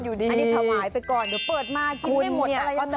อันนี้ถวายไปก่อนเดี๋ยวเปิดมากินไม่หมดอะไรก็ได้